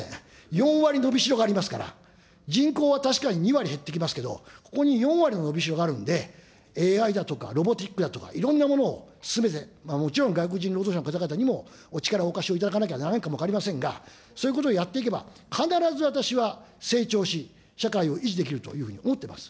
４割伸びしろがありますから、人口は確かに２割減ってきますけど、ここに４割の伸びしろがありますので、ＡＩだとか、ロボティックだとか、いろんなものを進めて、もちろん外国人労働者の方々にもお力をお貸しいただかなきゃならないかも分かりませんが、そういうこともやっていけば、必ず私は成長し、社会を維持できるというふうに思ってます。